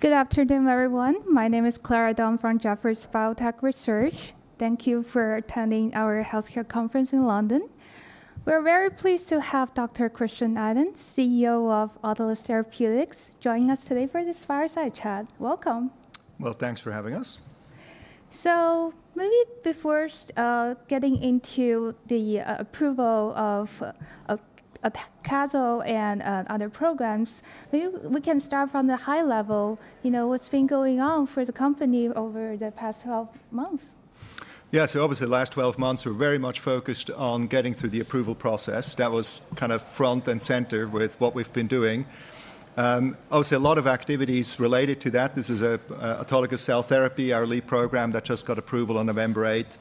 Good afternoon, everyone. My name is Clara Dong from Jefferies Biotech Research. Thank you for attending our healthcare conference in London. We're very pleased to have Dr. Christian Itin, CEO of Autolus Therapeutics, joining us today for this fireside chat. Welcome. Well, thanks for having us. So maybe before getting into the approval of Aucatzyl and other programs, maybe we can start from the high level. You know, what's been going on for the company over the past 12 months? Yeah, so obviously the last 12 months were very much focused on getting through the approval process. That was kind of front and center with what we've been doing. Obviously, a lot of activities related to that. This is Aucatzyl therapy, our lead program that just got approval on November 8.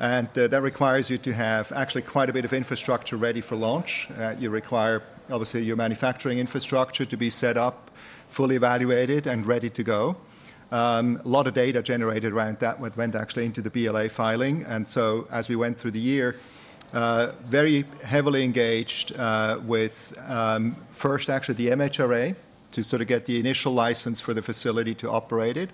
And that requires you to have actually quite a bit of infrastructure ready for launch. You require, obviously, your manufacturing infrastructure to be set up, fully evaluated, and ready to go. A lot of data generated around that went actually into the BLA filing. And so as we went through the year, very heavily engaged with, first, actually the MHRA to sort of get the initial license for the facility to operate it.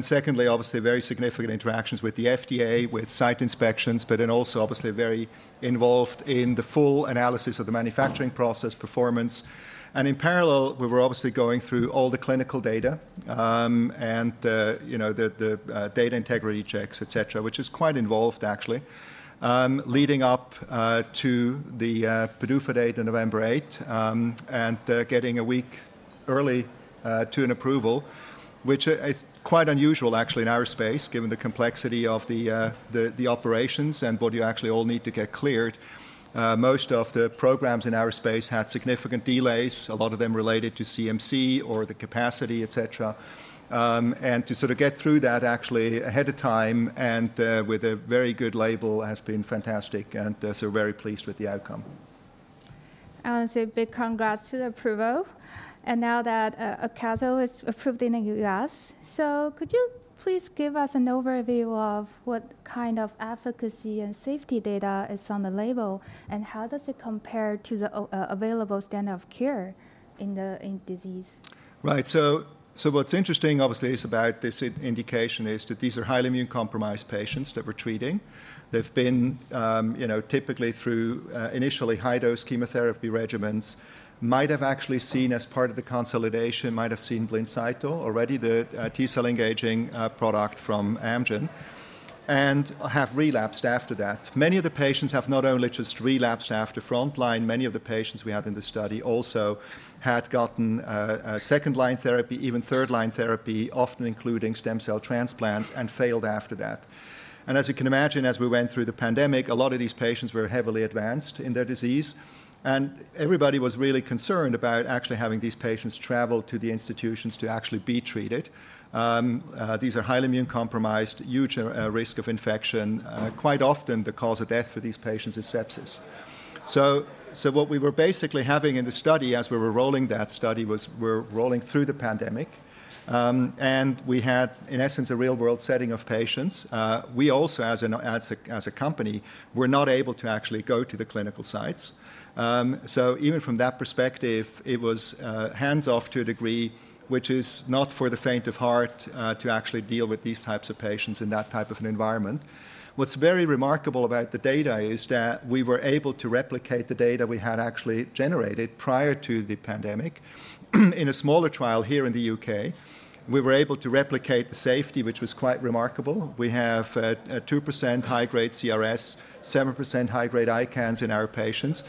Secondly, obviously, very significant interactions with the FDA, with site inspections, but then also obviously very involved in the full analysis of the manufacturing process, performance. In parallel, we were obviously going through all the clinical data and the data integrity checks, et cetera, which is quite involved, actually, leading up to the PDUFA date on November 8 and getting a week early to an approval, which is quite unusual, actually, in this space, given the complexity of the operations and what you actually all need to get cleared. Most of the programs in this space had significant delays, a lot of them related to CMC or the capacity, et cetera. To sort of get through that actually ahead of time and with a very good label has been fantastic. We're very pleased with the outcome. Big congrats to the approval. Now that Aucatzyl is approved in the U.S., so could you please give us an overview of what kind of efficacy and safety data is on the label and how does it compare to the available standard of care in the disease? Right, so what's interesting, obviously, about this indication is that these are highly immunocompromised patients that we're treating. They've been typically through initially high-dose chemotherapy regimens, might have actually seen as part of the consolidation, might have seen Blincyto already, the T cell engaging product from Amgen, and have relapsed after that. Many of the patients have not only just relapsed after front line, many of the patients we had in the study also had gotten second line therapy, even third line therapy, often including stem cell transplants and failed after that. And as you can imagine, as we went through the pandemic, a lot of these patients were heavily advanced in their disease. And everybody was really concerned about actually having these patients travel to the institutions to actually be treated. These are highly immunocompromised, huge risk of infection. Quite often the cause of death for these patients is sepsis. So what we were basically having in the study as we were rolling that study was we're rolling through the pandemic. And we had, in essence, a real-world setting of patients. We also, as a company, were not able to actually go to the clinical sites. So even from that perspective, it was hands-off to a degree, which is not for the faint of heart to actually deal with these types of patients in that type of an environment. What's very remarkable about the data is that we were able to replicate the data we had actually generated prior to the pandemic. In a smaller trial here in the U.K., we were able to replicate the safety, which was quite remarkable. We have a 2% high-grade CRS, 7% high-grade ICANS in our patients,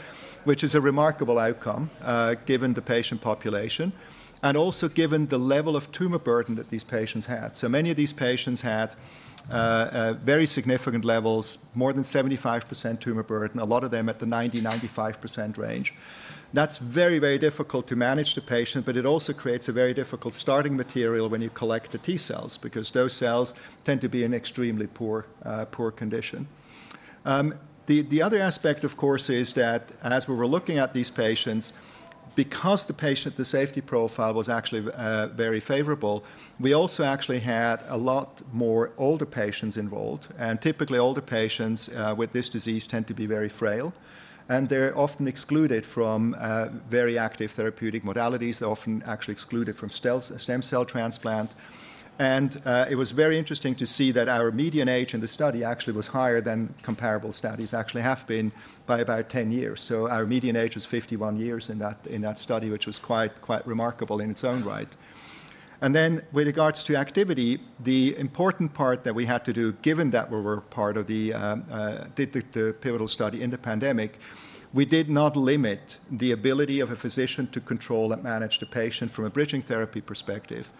which is a remarkable outcome given the patient population and also given the level of tumor burden that these patients had. So many of these patients had very significant levels, more than 75% tumor burden, a lot of them at the 90%-95% range. That's very, very difficult to manage the patient, but it also creates a very difficult starting material when you collect the T cells because those cells tend to be in extremely poor condition. The other aspect, of course, is that as we were looking at these patients, because the patient, the safety profile was actually very favorable, we also actually had a lot more older patients involved, and typically, older patients with this disease tend to be very frail, and they're often excluded from very active therapeutic modalities. They're often actually excluded from stem cell transplant, and it was very interesting to see that our median age in the study actually was higher than comparable studies actually have been by about 10 years, so our median age was 51 years in that study, which was quite remarkable in its own right, and then with regards to activity, the important part that we had to do, given that we were part of the pivotal study in the pandemic, we did not limit the ability of a physician to control and manage the patient from a bridging therapy perspective.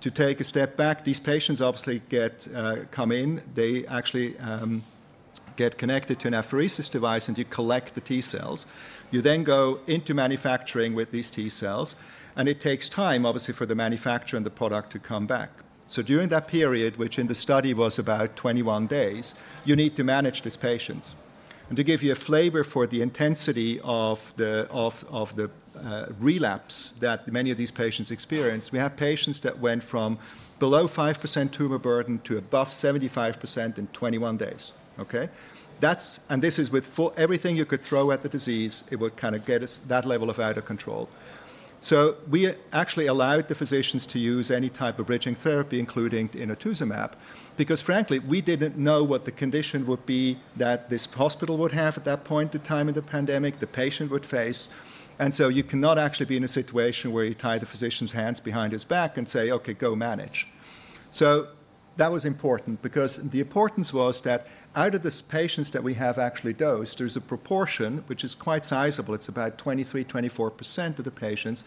To take a step back, these patients obviously come in, they actually get connected to an apheresis device and you collect the T cells. You then go into manufacturing with these T cells, and it takes time, obviously, for the manufacturer and the product to come back. So during that period, which in the study was about 21 days, you need to manage these patients. And to give you a flavor for the intensity of the relapse that many of these patients experienced, we had patients that went from below 5% tumor burden to above 75% in 21 days. Okay? And this is with everything you could throw at the disease, it would kind of get us that level of out of control. So we actually allowed the physicians to use any type of bridging therapy, including inotuzumab, because frankly, we didn't know what the condition would be that this hospital would have at that point in time in the pandemic, the patient would face. And so you cannot actually be in a situation where you tie the physician's hands behind his back and say, okay, go manage. So that was important because the importance was that out of the patients that we have actually dosed, there's a proportion, which is quite sizable. It's about 23%-24% of the patients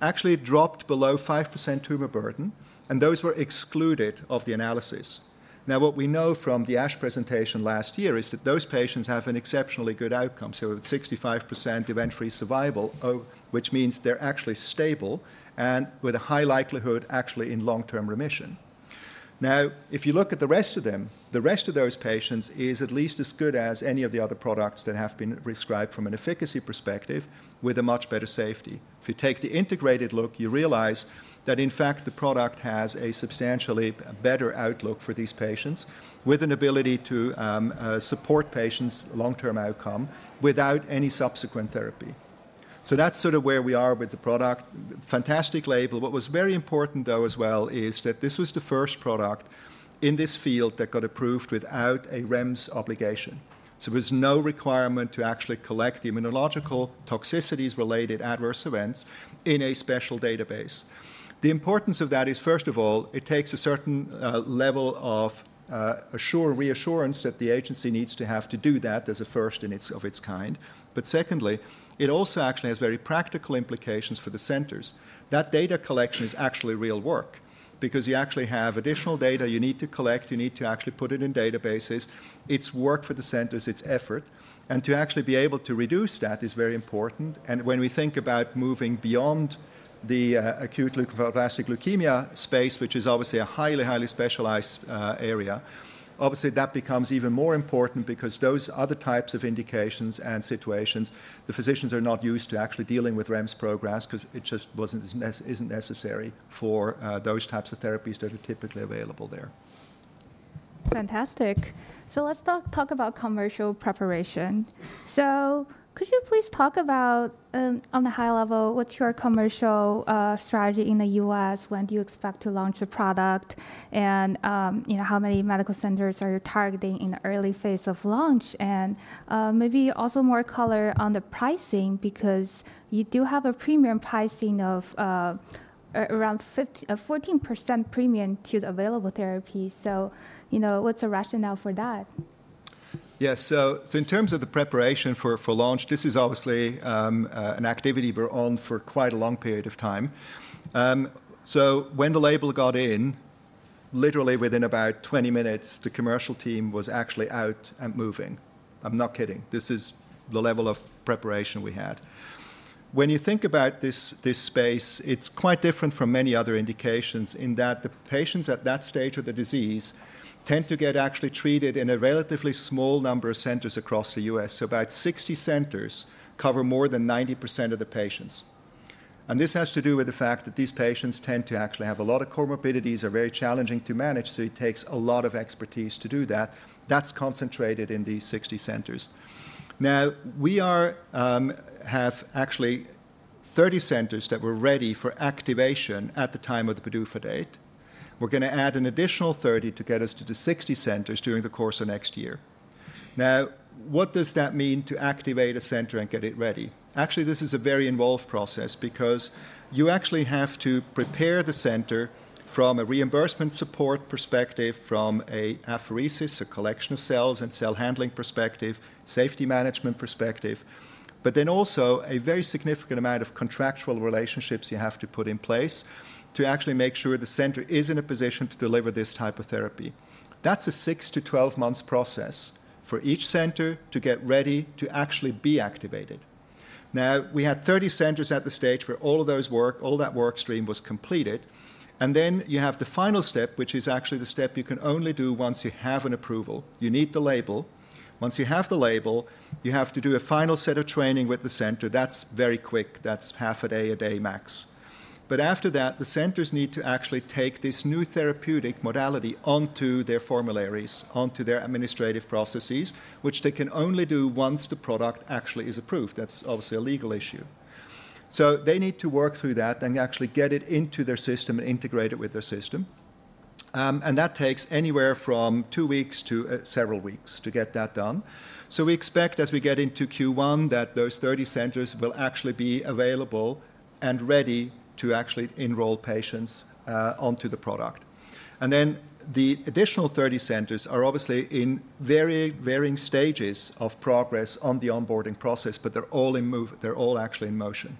actually dropped below 5% tumor burden, and those were excluded of the analysis. Now, what we know from the ASH presentation last year is that those patients have an exceptionally good outcome. So with 65% event-free survival, which means they're actually stable and with a high likelihood actually in long-term remission. Now, if you look at the rest of them, the rest of those patients is at least as good as any of the other products that have been prescribed from an efficacy perspective with a much better safety. If you take the integrated look, you realize that in fact, the product has a substantially better outlook for these patients with an ability to support patients' long-term outcome without any subsequent therapy. So that's sort of where we are with the product. Fantastic label. What was very important though as well is that this was the first product in this field that got approved without a REMS obligation. So there was no requirement to actually collect the immune-related adverse events in a special database. The importance of that is, first of all, it takes a certain level of reassurance that the agency needs to have to do that as a first of its kind. But secondly, it also actually has very practical implications for the centers. That data collection is actually real work because you actually have additional data you need to collect, you need to actually put it in databases. It's work for the centers, it's effort. And to actually be able to reduce that is very important. And when we think about moving beyond the acute lymphoblastic leukemia space, which is obviously a highly, highly specialized area, obviously that becomes even more important because those other types of indications and situations, the physicians are not used to actually dealing with REMS programs because it just isn't necessary for those types of therapies that are typically available there. Fantastic. So let's talk about commercial preparation. So could you please talk about on a high level, what's your commercial strategy in the U.S.? When do you expect to launch a product? And how many medical centers are you targeting in the early phase of launch? And maybe also more color on the pricing because you do have a premium pricing of around 14% premium to the available therapy. So what's the rationale for that? Yeah. So in terms of the preparation for launch, this is obviously an activity we're on for quite a long period of time. So when the label got in, literally within about 20 minutes, the commercial team was actually out and moving. I'm not kidding. This is the level of preparation we had. When you think about this space, it's quite different from many other indications in that the patients at that stage of the disease tend to get actually treated in a relatively small number of centers across the U.S. So about 60 centers cover more than 90% of the patients. And this has to do with the fact that these patients tend to actually have a lot of comorbidities, are very challenging to manage, so it takes a lot of expertise to do that. That's concentrated in these 60 centers. Now, we have actually 30 centers that were ready for activation at the time of the PDUFA date. We're going to add an additional 30 to get us to the 60 centers during the course of next year. Now, what does that mean to activate a center and get it ready? Actually, this is a very involved process because you actually have to prepare the center from a reimbursement support perspective, from an apheresis, a collection of cells and cell handling perspective, safety management perspective, but then also a very significant amount of contractual relationships you have to put in place to actually make sure the center is in a position to deliver this type of therapy. That's a 6 months-12 months process for each center to get ready to actually be activated. Now, we had 30 centers at the stage where all of those work, all that work stream was completed, and then you have the final step, which is actually the step you can only do once you have an approval. You need the label. Once you have the label, you have to do a final set of training with the center. That's very quick. That's half a day, a day max, but after that, the centers need to actually take this new therapeutic modality onto their formularies, onto their administrative processes, which they can only do once the product actually is approved. That's obviously a legal issue, so they need to work through that and actually get it into their system and integrate it with their system, and that takes anywhere from two weeks to several weeks to get that done. We expect as we get into Q1 that those 30 centers will actually be available and ready to actually enroll patients onto the product. Then the additional 30 centers are obviously in varying stages of progress on the onboarding process, but they're all actually in motion.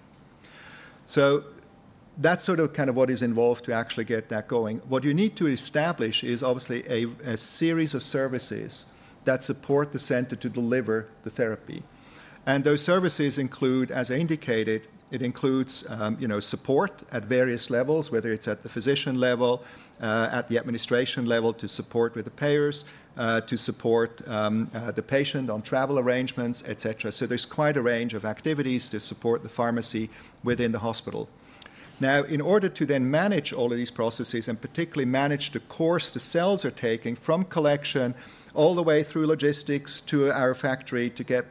That's sort of kind of what is involved to actually get that going. What you need to establish is obviously a series of services that support the center to deliver the therapy. Those services include, as I indicated, it includes support at various levels, whether it's at the physician level, at the administration level to support with the payers, to support the patient on travel arrangements, et cetera. There's quite a range of activities to support the pharmacy within the hospital. Now, in order to then manage all of these processes and particularly manage the course the cells are taking from collection all the way through logistics to our factory to get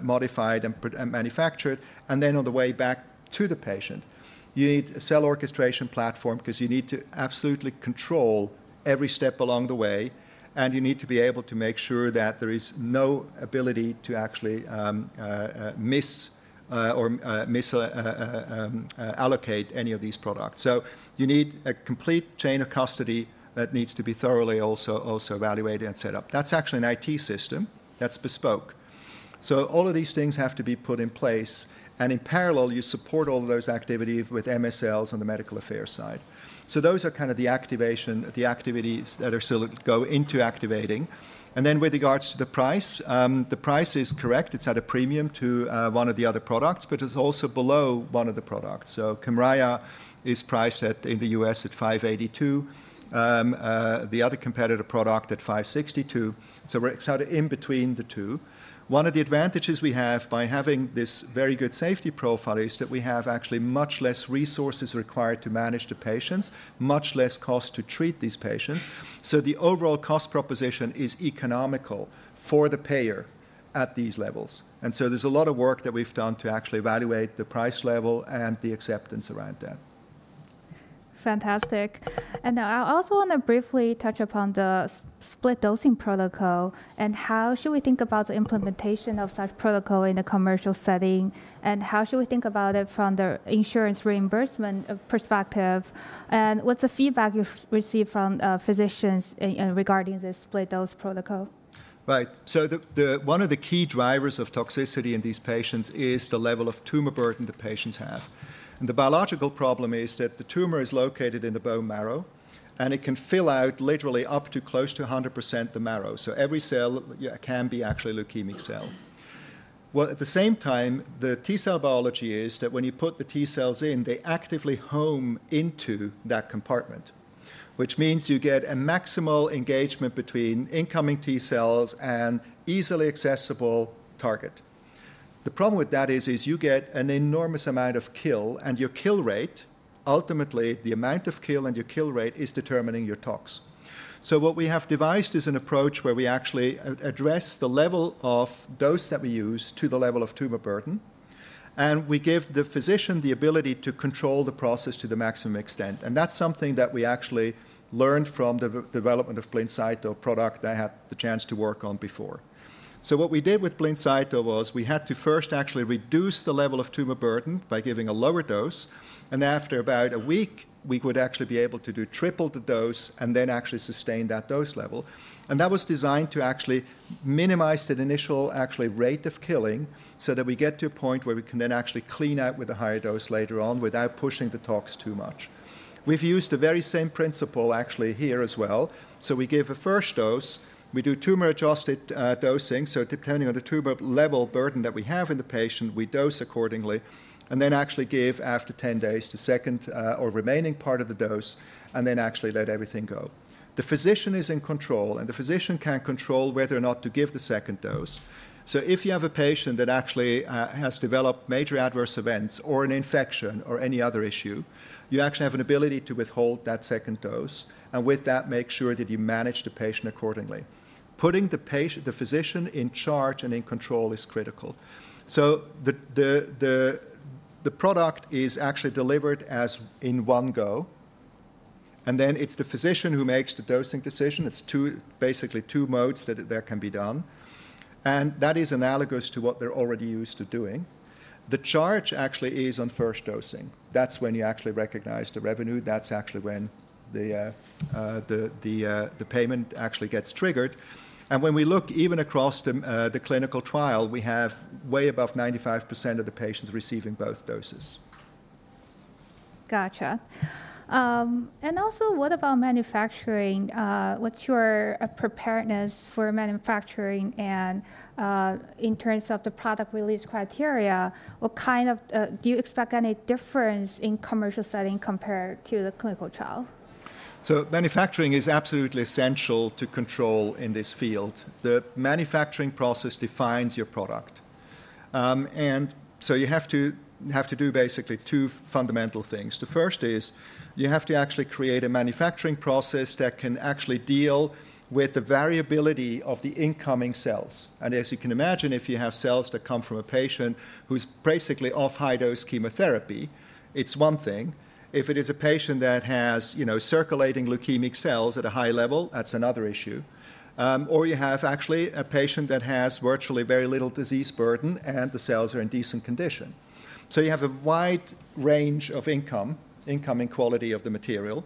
modified and manufactured, and then on the way back to the patient, you need a cell orchestration platform because you need to absolutely control every step along the way, and you need to be able to make sure that there is no ability to actually miss or allocate any of these products. So you need a complete chain of custody that needs to be thoroughly also evaluated and set up. That's actually an IT system that's bespoke. So all of these things have to be put in place. And in parallel, you support all of those activities with MSLs on the medical affairs side. So those are kind of the activities that go into activating. And then with regards to the price, the price is correct. It's at a premium to one of the other products, but it's also below one of the products. So Kymriah is priced in the U.S. at $582,000, the other competitor product at $562,000. So we're sort of in between the two. One of the advantages we have by having this very good safety profile is that we have actually much less resources required to manage the patients, much less cost to treat these patients. So the overall cost proposition is economical for the payer at these levels. And so there's a lot of work that we've done to actually evaluate the price level and the acceptance around that. Fantastic. And I also want to briefly touch upon the split dosing protocol and how should we think about the implementation of such protocol in a commercial setting and how should we think about it from the insurance reimbursement perspective and what's the feedback you've received from physicians regarding this split dose protocol? Right. So one of the key drivers of toxicity in these patients is the level of tumor burden the patients have. And the biological problem is that the tumor is located in the bone marrow, and it can fill out literally up to close to 100% the marrow. So every cell can be actually a leukemic cell. At the same time, the T cell biology is that when you put the T cells in, they actively home into that compartment, which means you get a maximal engagement between incoming T cells and easily accessible target. The problem with that is you get an enormous amount of kill, and your kill rate, ultimately the amount of kill and your kill rate is determining your tox. What we have devised is an approach where we actually address the level of dose that we use to the level of tumor burden, and we give the physician the ability to control the process to the maximum extent. That's something that we actually learned from the development of Blincyto product that I had the chance to work on before. What we did with Blincyto was we had to first actually reduce the level of tumor burden by giving a lower dose. After about a week, we would actually be able to do triple the dose and then actually sustain that dose level. That was designed to actually minimize that initial actually rate of killing so that we get to a point where we can then actually clean out with a higher dose later on without pushing the tox too much. We've used the very same principle actually here as well. So we give a first dose, we do tumor adjusted dosing. So depending on the tumor burden that we have in the patient, we dose accordingly and then actually give after 10 days the second or remaining part of the dose and then actually let everything go. The physician is in control, and the physician can control whether or not to give the second dose. So if you have a patient that actually has developed major adverse events or an infection or any other issue, you actually have an ability to withhold that second dose and with that make sure that you manage the patient accordingly. Putting the physician in charge and in control is critical. So the product is actually delivered as in one go, and then it's the physician who makes the dosing decision. It's basically two modes that can be done, and that is analogous to what they're already used to doing. The charge actually is on first dosing. That's when you actually recognize the revenue. That's actually when the payment actually gets triggered, and when we look even across the clinical trial, we have way above 95% of the patients receiving both doses. Gotcha. And also what about manufacturing? What's your preparedness for manufacturing and in terms of the product release criteria? What kind of do you expect any difference in commercial setting compared to the clinical trial? So manufacturing is absolutely essential to control in this field. The manufacturing process defines your product. And so you have to do basically two fundamental things. The first is you have to actually create a manufacturing process that can actually deal with the variability of the incoming cells. And as you can imagine, if you have cells that come from a patient who's basically off high dose chemotherapy, it's one thing. If it is a patient that has circulating leukemic cells at a high level, that's another issue. Or you have actually a patient that has virtually very little disease burden and the cells are in decent condition. So you have a wide range of incoming quality of the material.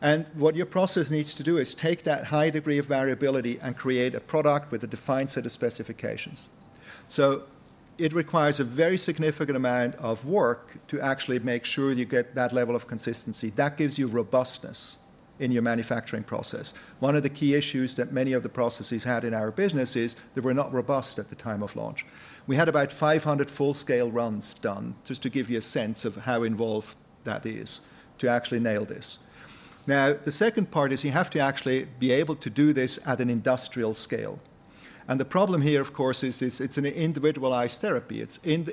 And what your process needs to do is take that high degree of variability and create a product with a defined set of specifications. So it requires a very significant amount of work to actually make sure you get that level of consistency. That gives you robustness in your manufacturing process. One of the key issues that many of the processes had in our business is they were not robust at the time of launch. We had about 500 full scale runs done just to give you a sense of how involved that is to actually nail this. Now, the second part is you have to actually be able to do this at an industrial scale. And the problem here, of course, is it's an individualized therapy.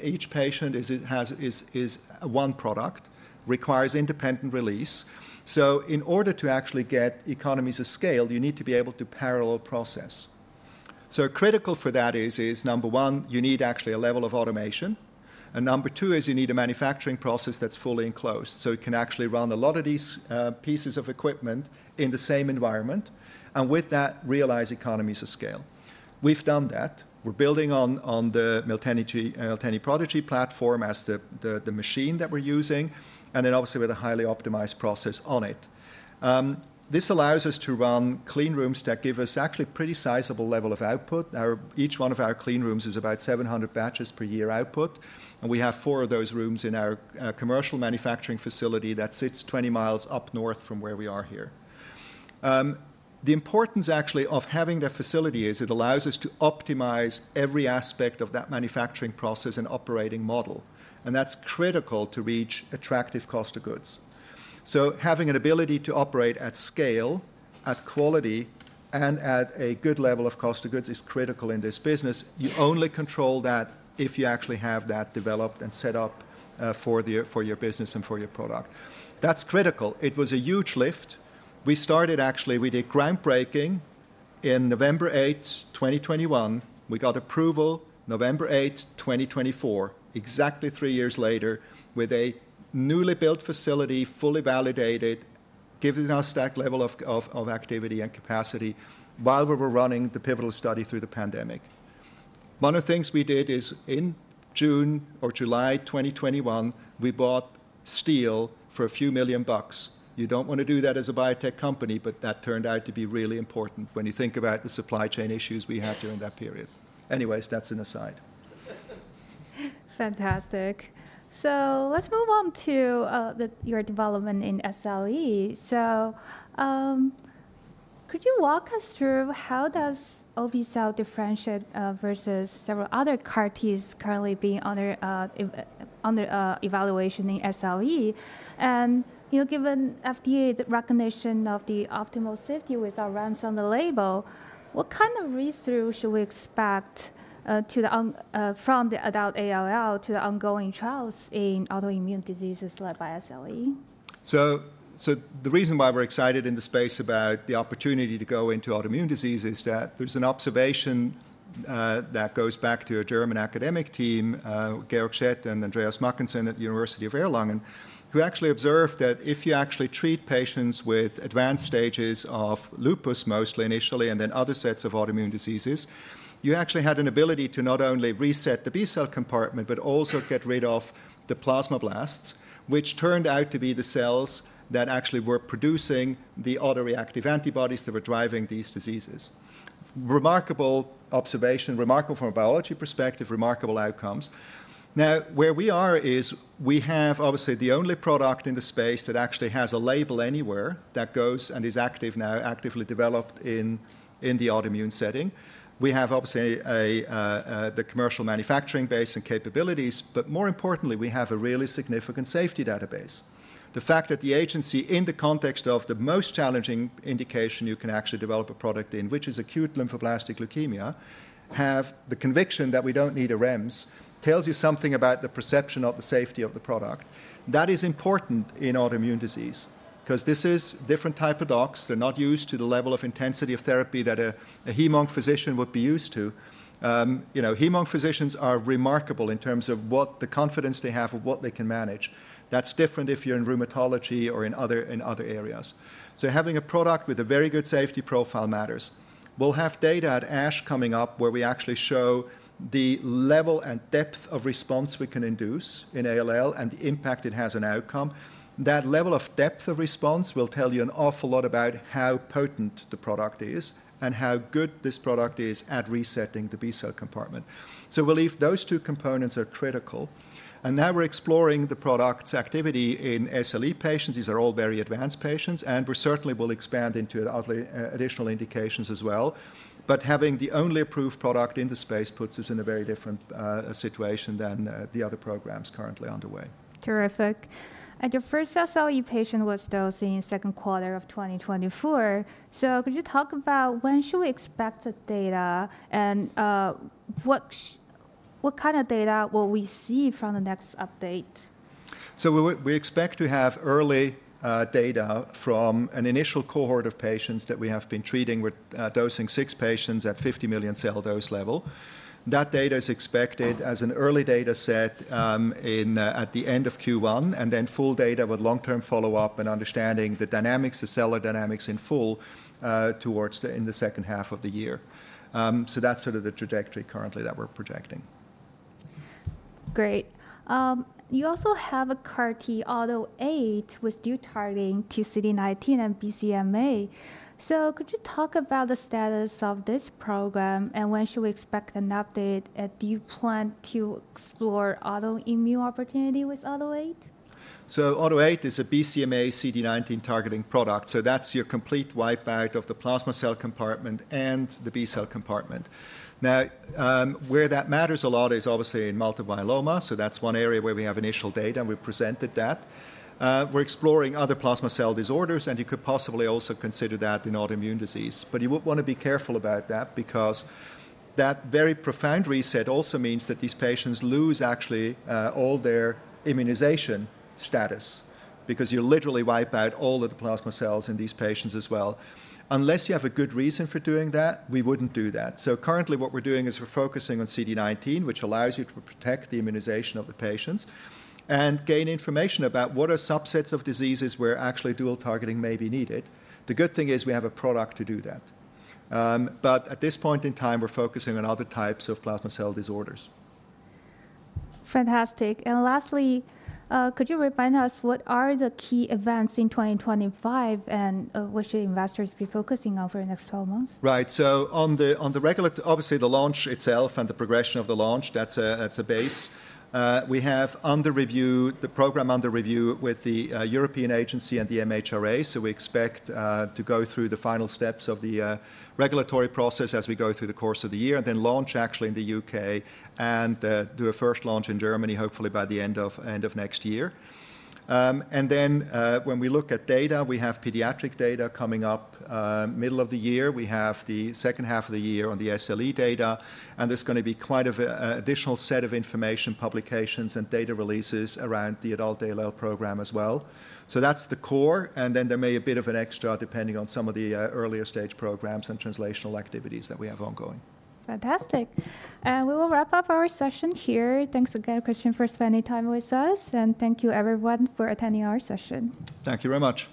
Each patient is one product, requires independent release. So in order to actually get economies of scale, you need to be able to parallel process. So critical for that is, number one, you need actually a level of automation. Number two is you need a manufacturing process that's fully enclosed so you can actually run a lot of these pieces of equipment in the same environment and with that realize economies of scale. We've done that. We're building on the Miltenyi Prodigy platform as the machine that we're using, and then obviously with a highly optimized process on it. This allows us to run clean rooms that give us actually a pretty sizable level of output. Each one of our clean rooms is about 700 batches per year output. We have four of those rooms in our commercial manufacturing facility that sits 20 miles up north from where we are here. The importance actually of having that facility is it allows us to optimize every aspect of that manufacturing process and operating model. That's critical to reach attractive cost of goods. Having an ability to operate at scale, at quality, and at a good level of cost of goods is critical in this business. You only control that if you actually have that developed and set up for your business and for your product. That's critical. It was a huge lift. We started actually with a groundbreaking on November 8, 2021. We got approval November 8, 2024, exactly three years later with a newly built facility fully validated, giving us that level of activity and capacity while we were running the pivotal study through the pandemic. One of the things we did is in June or July 2021, we bought steel for few million bucks. You don't want to do that as a biotech company, but that turned out to be really important when you think about the supply chain issues we had during that period. Anyways, that's an aside. Fantastic. So let's move on to your development in SLE. So could you walk us through how does obe-cel differentiate versus several other CAR-Ts currently being under evaluation in SLE? And given FDA recognition of the optimal safety with REMS on the label, what kind of read-across should we expect from the adult ALL to the ongoing trials in autoimmune diseases led by SLE? So the reason why we're excited in the space about the opportunity to go into autoimmune disease is that there's an observation that goes back to a German academic team, Georg Schett and Andreas Mackensen at the University of Erlangen, who actually observed that if you actually treat patients with advanced stages of lupus mostly initially and then other sets of autoimmune diseases, you actually had an ability to not only reset the B-cell compartment, but also get rid of the plasmablasts, which turned out to be the cells that actually were producing the autoreactive antibodies that were driving these diseases. Remarkable observation, remarkable from a biology perspective, remarkable outcomes. Now, where we are is we have obviously the only product in the space that actually has a label anywhere that goes and is active now, actively developed in the autoimmune setting. We have obviously the commercial manufacturing base and capabilities, but more importantly, we have a really significant safety database. The fact that the agency in the context of the most challenging indication you can actually develop a product in, which is acute lymphoblastic leukemia, have the conviction that we don't need a REMS tells you something about the perception of the safety of the product. That is important in autoimmune disease because this is a different type of tox. They're not used to the level of intensity of therapy that a hem-onc physician would be used to. Hem-onc physicians are remarkable in terms of what the confidence they have of what they can manage. That's different if you're in rheumatology or in other areas, so having a product with a very good safety profile matters. We'll have data at ASH coming up where we actually show the level and depth of response we can induce in ALL and the impact it has on outcome. That level of depth of response will tell you an awful lot about how potent the product is and how good this product is at resetting the B-cell compartment, so we'll see those two components are critical, and now we're exploring the product's activity in SLE patients. These are all very advanced patients, and we certainly will expand into additional indications as well, but having the only approved product in the space puts us in a very different situation than the other programs currently underway. Terrific. And your first SLE patient was dosed in the second quarter of 2024. So could you talk about when should we expect the data and what kind of data will we see from the next update? So we expect to have early data from an initial cohort of patients that we have been treating with dosing six patients at 50 million cell dose level. That data is expected as an early data set at the end of Q1 and then full data with long-term follow-up and understanding the dynamics, the cellular dynamics in full towards the second half of the year. So that's sort of the trajectory currently that we're projecting. Great. You also have a CAR-T AUTO8 with dual targeting to CD19 and BCMA. So could you talk about the status of this program and when should we expect an update? Do you plan to explore autoimmune opportunity with AUTO8? AUTO8 is a BCMA CD19 targeting product. That's your complete wipeout of the plasma cell compartment and the B-cell compartment. Now, where that matters a lot is obviously in multiple myeloma. That's one area where we have initial data and we presented that. We're exploring other plasma cell disorders, and you could possibly also consider that in autoimmune disease. You would want to be careful about that because that very profound reset also means that these patients lose actually all their immunization status because you literally wipe out all of the plasma cells in these patients as well. Unless you have a good reason for doing that, we wouldn't do that. So currently what we're doing is we're focusing on CD19, which allows you to protect the immunization of the patients and gain information about what are subsets of diseases where actually dual targeting may be needed. The good thing is we have a product to do that. But at this point in time, we're focusing on other types of plasma cell disorders. Fantastic. And lastly, could you remind us what are the key events in 2025 and what should investors be focusing on for the next 12 months? Right. So on the regular, obviously the launch itself and the progression of the launch, that's a base. We have under review, the program under review with the European agency and the MHRA. So we expect to go through the final steps of the regulatory process as we go through the course of the year and then launch actually in the U.K. and do a first launch in Germany hopefully by the end of next year. And then when we look at data, we have pediatric data coming up middle of the year. We have the second half of the year on the SLE data, and there's going to be quite an additional set of information publications and data releases around the adult ALL program as well. So that's the core. And then there may be a bit of an extra depending on some of the earlier stage programs and translational activities that we have ongoing. Fantastic. And we will wrap up our session here. Thanks again, Christian, for spending time with us. And thank you everyone for attending our session. Thank you very much.